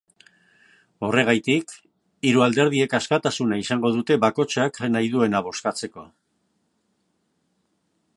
Horregatik, hiru alderdiek askatasuna izango dute bakoitzak nahi duena bozkatzeko.